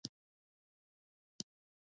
نجلۍ تر تواب څنگ پرته وه او ودرېده.